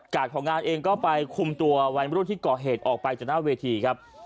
ของงานเองก็ไปคุมตัววัยมรุ่นที่ก่อเหตุออกไปจากหน้าเวทีครับ